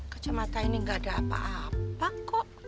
kacamata ini gak ada apa apa kok